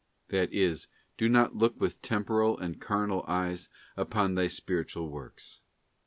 'f That is, do not look with temporal and carnal eyes upon thy spiritual works.